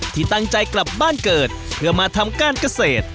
ที่ตั้งใจกลับบ้านเกิดเพื่อมาทำการเกษตร